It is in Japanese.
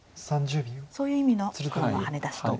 そういう意味の黒のハネ出しと。